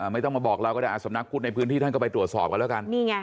ไม่ต้องมาบอกเราก็ได้สำนักพุทธในพื้นที่ท่านก็ไปตรวจสอบกันแล้วกัน